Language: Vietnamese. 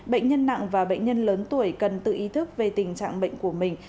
bệnh nhân nặng và bệnh nhân lớn tuổi cần tự ý thức về tình trạng bệnh của mình